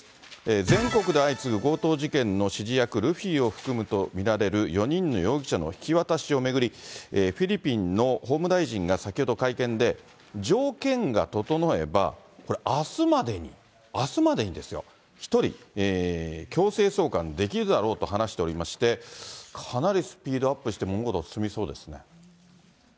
全国で相次ぐ強盗事件の指示役、ルフィを含むと見られる４人の容疑者の引き渡しを巡り、フィリピンの法務大臣が先ほど会見で、条件が整えば、これ、あすまでに、あすまでにですよ、１人強制送還できるだろうと話しておりまして、かなりスピードアップして物事が進みそうですね。